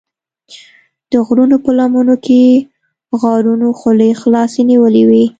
د غرونو په لمنو کې غارونو خولې خلاصې نیولې وې.